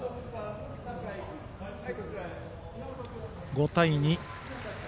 ５対２。